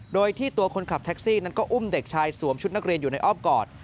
โดยที่ตัวคนขับแท็กซี่นั้นก็อุ้มเด็กชายสวมชุดนักเรียนอยู่ในอ้อมกอด